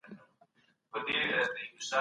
پرمختیا باید هر اړخیزه او پراخه وي.